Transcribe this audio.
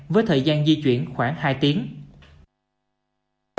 với thời gian di chuyển khoảng hai tiếng